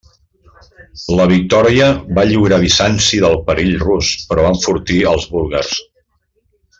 La victòria va lliurar a Bizanci del perill rus però va enfortir als búlgars.